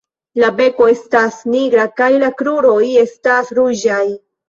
La beko estas nigra kaj la kruroj estas ruĝaj.